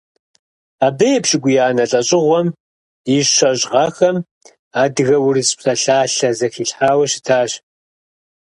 Абы епщыкӀуиянэ лӀэщӀыгъуэм и щэщӀ гъэхэм «Адыгэ-урыс псалъалъэ» зэхилъхьауэ щытащ.